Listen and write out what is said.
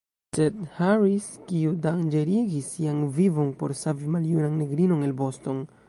Sed Harris, kiu danĝerigis sian vivon por savi maljunan negrinon el Boston!